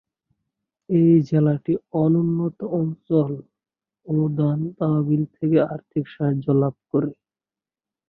এই জেলাটি অনুন্নত অঞ্চল অনুদান তহবিল থেকে আর্থিক সাহায্য লাভ করে।